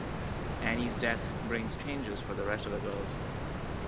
Annie's death brings changes for the rest of the girls.